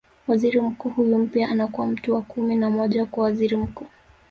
Waziri mkuu huyu mpya anakuwa mtu wa kumi na moja kuwa Waziri Mkuu